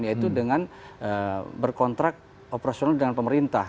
yaitu dengan berkontrak operasional dengan pemerintah